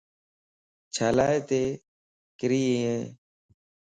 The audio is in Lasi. ڇيلاتي ڪري ايي؟